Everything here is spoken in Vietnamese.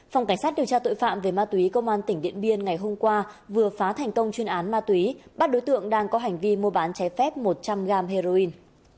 phòng cảnh sát điều tra tội phạm về ma túy công an tỉnh điện biên ngày hôm qua vừa phá thành công chuyên án ma túy bắt đối tượng đang có hành vi mua bán trái phép một trăm linh g heroin